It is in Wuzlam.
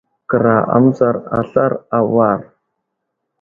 Kəra a mətsar aslar a war.